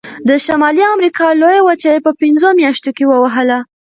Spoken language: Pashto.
د شمالي امریکا لویه وچه یې په پنځو میاشتو کې ووهله.